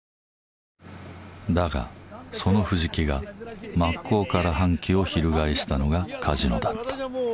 だがその藤木が真っ向から反旗を翻したのがカジノだった。